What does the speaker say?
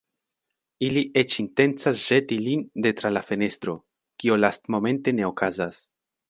Ili eĉ intencas ĵeti lin de tra la fenestro, kio lastmomente ne okazas.